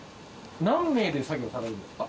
何名で作業されるんですか？